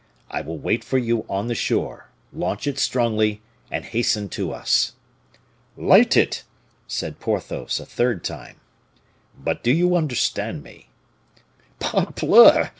I will wait for you on the shore; launch it strongly, and hasten to us." "Light it," said Porthos, a third time. "But do you understand me?" "_Parbleu!